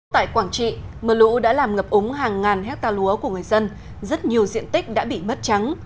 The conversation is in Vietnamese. tại quảng trị mưa lũ đã làm ngập ống hàng ngàn hecta lúa của người dân rất nhiều diện tích đã bị mất trắng